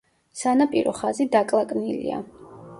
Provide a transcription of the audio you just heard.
სანაპირო ხაზი დაკლაკნილია.